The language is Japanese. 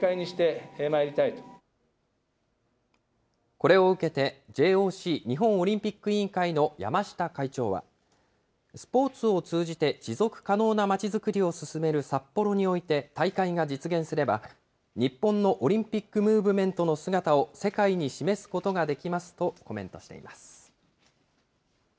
これを受けて、ＪＯＣ・日本オリンピック委員会の山下会長は。スポーツを通じて持続可能なまちづくりを進める札幌において大会が実現すれば、日本のオリンピックムーブメントの姿を世界に示すことができますとコメントしています。